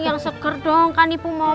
yang seger dong kan ibu mau